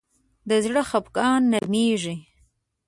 د زړه خفګان نرمېږي